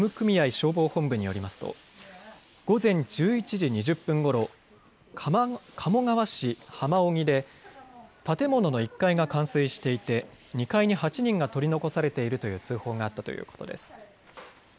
消防本部によりますと午前１１時２０分ごろ鴨川市浜荻で建物の１階が冠水していて２階に８人が取り残されているという通報があったということです。